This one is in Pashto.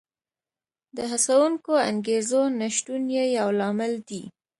د هڅوونکو انګېزو نشتون یې یو لامل دی